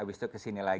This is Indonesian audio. abis itu kesini lagi